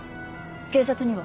警察には？